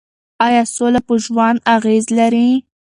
ایا سوله په ژوند اغېز لري؟